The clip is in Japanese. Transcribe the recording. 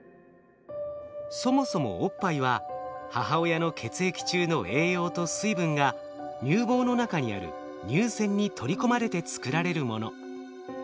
そもそもおっぱいは母親の血液中の栄養と水分が乳房の中にある乳腺に取り込まれて作られるもの。